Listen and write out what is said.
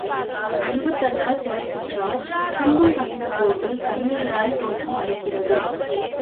அன்புதன்னால் தொடர்புற்றார் துன்பங் கண்டபோது கண்ணிராய்த் தோற்றமளிக்கிறது.